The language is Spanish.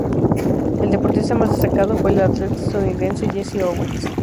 El deportista más destacado fue el atleta estadounidense Jesse Owens.